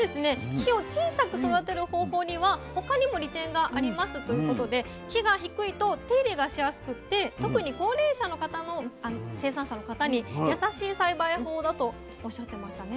木を小さく育てる方法には他にも利点がありますということで木が低いと手入れがしやすくって特に高齢者の方の生産者の方に優しい栽培法だとおっしゃってましたね。